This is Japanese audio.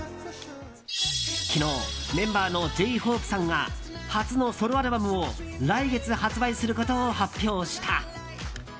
昨日、メンバーのＪ‐ＨＯＰＥさんが初のソロアルバムを来月発売することを発表した。